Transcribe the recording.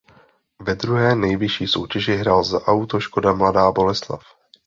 Ve druhé nejvyšší soutěži hrál za Auto Škoda Mladá Boleslav.